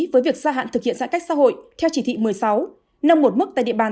với việc gia hạn thực hiện giãn cách xã hội theo chỉ thị một mươi sáu nâng một mức tại địa bàn